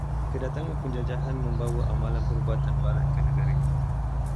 Kedatangan penjajahan membawa amalan perubatan barat ke negara ini.